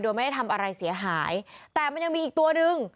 โดยไม่ได้ทำอะไรเสียหายแต่มันยังมีอีกตัวหนึ่ง